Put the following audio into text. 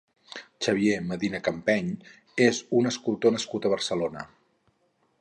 Xavier Medina Campeny és un escultor nascut a Barcelona.